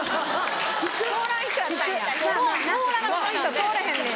通らへんねや。